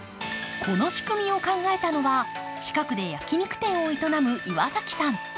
この仕組みを考えたのは近くで焼き肉店を営む岩崎さん。